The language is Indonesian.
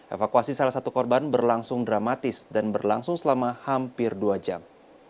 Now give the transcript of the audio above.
evakuasi salah satu korban berlangsung dramatis dan berlangsung selama hampir dua jam